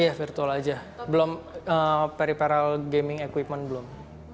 iya virtual aja belum periparal gaming equipment belum